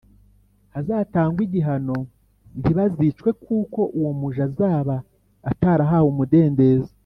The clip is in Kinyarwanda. hazatangwe igihano Ntibazicwe kuko uwo muja azaba atarahawe umudendezo